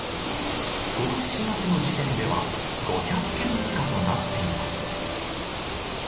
ことし４月の時点では、５００軒以下となっています。